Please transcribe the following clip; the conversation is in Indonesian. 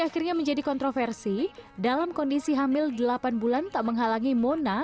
akhirnya menjadi kontroversi dalam kondisi hamil delapan bulan tak menghalangi mona